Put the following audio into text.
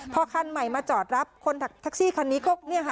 พอคันใหม่มาจอดรับคนทักซี่คันนี้ก็